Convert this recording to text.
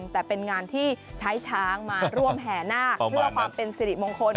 แต่เป็นงานที่ใช้ช้างมาร่วมแห่นาคเพื่อความเป็นสิริมงคล